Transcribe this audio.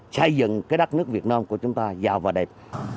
xây dựng cái đất nước việt nam của chúng ta giàu và đẹp